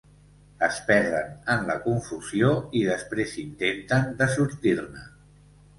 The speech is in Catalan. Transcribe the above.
Es perden en la confusió i després intenten de sortir-ne.